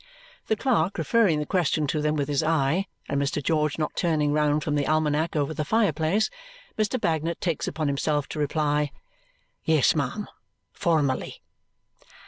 The clerk referring the question to them with his eye, and Mr. George not turning round from the almanac over the fire place. Mr. Bagnet takes upon himself to reply, "Yes, ma'am. Formerly."